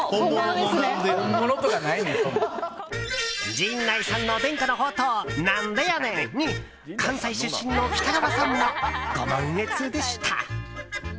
陣内さんの伝家の宝刀なんでやねん！に関西出身の北川さんもご満悦でした。